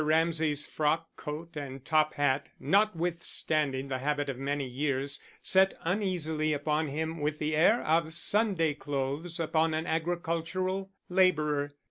Ramsay's frock coat and top hat, notwithstanding the habit of many years, sat uneasily upon him with the air of Sunday clothes upon an agricultural labourer.